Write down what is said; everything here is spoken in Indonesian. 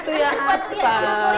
tuh ya apa